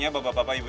boleh boleh yuk